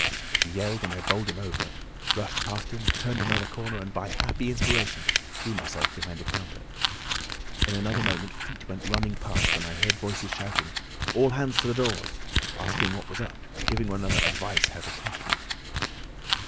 He yelled and I bowled him over, rushed past him, turned another corner, and by a happy inspiration threw myself behind a counter. In another moment feet went running past and I heard voices shouting, 'All hands to the doors!' asking what was 'up,' and giving one another advice how to catch me.